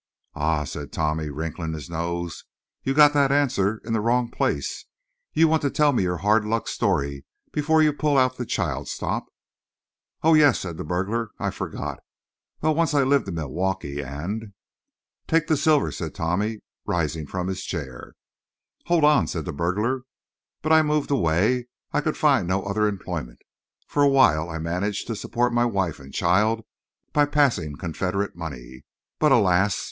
"Ah," said Tommy, wrinkling his nose, "you got that answer in the wrong place. You want to tell your hard luck story before you pull out the child stop." "Oh, yes," said the burglar, "I forgot. Well, once I lived in Milwaukee, and—" "Take the silver," said Tommy, rising from his chair. "Hold on," said the burglar. "But I moved away." I could find no other employment. For a while I managed to support my wife and child by passing confederate money; but, alas!